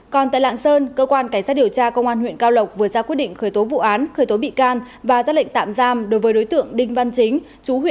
còn tại lạng sơn cơ quan cảnh sát điều tra công an huyện cao lộc vừa ra quyết định khởi tố vụ án khởi tố bị can và ra lệnh tạm giam đối với đối tượng đinh văn chính